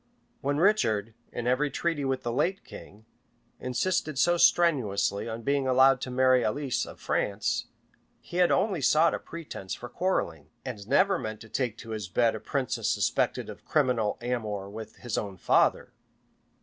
When Richard, in every treaty with the late king, insisted so strenuously on being allowed to marry Alice of France, he had only sought a pretence for quarrelling, and never meant to take to his bed a princess suspected of a criminal amour with his own father.